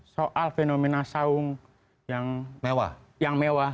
soal fenomena saung yang mewah